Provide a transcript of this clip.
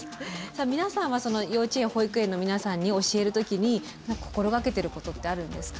皆さんは幼稚園保育園の皆さんに教える時に心がけてることってあるんですか？